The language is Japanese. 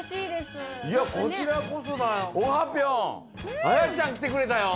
いやこちらこそだよ。